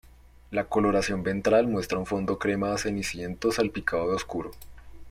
La coloración ventral muestra un fondo crema a ceniciento salpicado de oscuro.